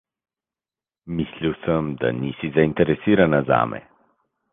Mislil sem, da nisi zainteresirana zame.